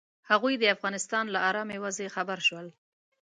هغوی د افغانستان له ارامې وضعې خبر شول.